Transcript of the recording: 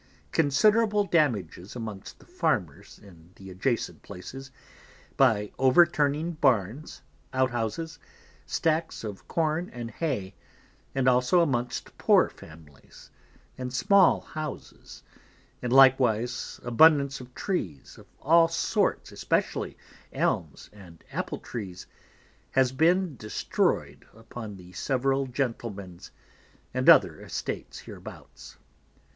Considerable damages amongst the Farmers in the adjacent Places, by over turning Barns, Out houses, Stacks of Corn and Hay, and also amongst poor Families, and small Houses, and likewise abundance of Trees of all sorts, especially Elms and Apple Trees, has been destroy'd upon the several Gentlemen's, and others Estates hereabouts.